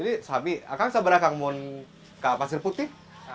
jadi sabi akan sabra akan ke pasir putih